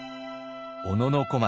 小野小町